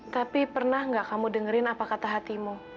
tapi pernah gak kamu dengerin apa kata hatimu